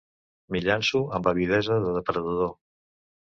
M'hi llanço amb avidesa de depredador.